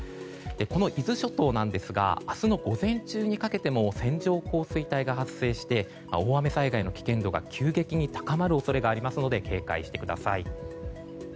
この伊豆諸島なんですが明日の午前中にかけても線状降水帯が発生して大雨災害の危険度が急激に高まる恐れがありますので警戒してください。